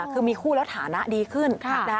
คือมีคู่แล้วฐานะดีขึ้นนะคะ